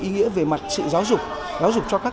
ý nghĩa về mặt sự giáo dục giáo dục cho các